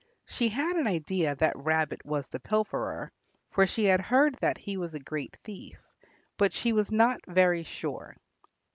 She had an idea that Rabbit was the pilferer, for she had heard that he was a great thief, but she was not very sure.